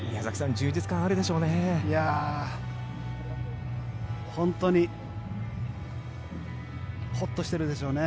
充実感あるでしょうね。